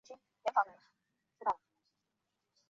魁地奇是巫师世界中最风行的球赛运动。